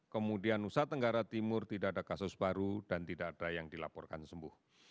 kemudian nusa tenggara timur tidak ada kasus baru dan tidak ada yang dilaporkan sembuh